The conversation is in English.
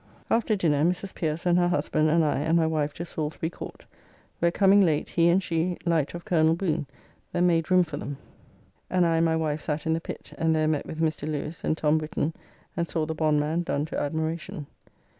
After dinner Mrs. Pierce and her husband and I and my wife to Salisbury Court, where coming late he and she light of Col. Boone that made room for them, and I and my wife sat in the pit, and there met with Mr. Lewes and Tom Whitton, and saw "The Bondman" done to admiration.